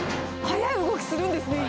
速い動きするんですね。